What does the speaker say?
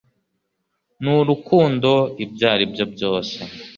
n'urukundo ibyo aribyo byose